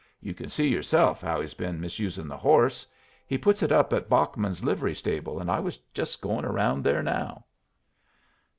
You can see yourself how he's been misusing the horse. He puts it up at Bachman's livery stable, and I was just going around there now."